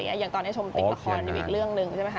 อย่างตอนนี้ชมติดละครอยู่อีกเรื่องหนึ่งใช่ไหมค